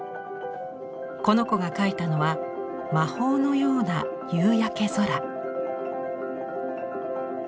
この子が描いたのは魔法のような夕焼け空。